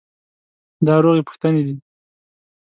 دا روغې پوښتنې دي.